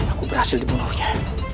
aku berhasil membunuhnya